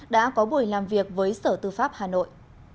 đã có buổi làm việc với sở tư pháp hà nội